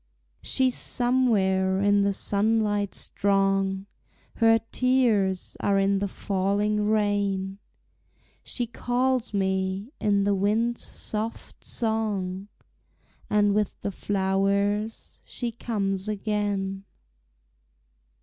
She's somewhere in the sunlight strong, Her tears are in the falling rain, She calls me in the wind's soft song, And with the flowers she comes again.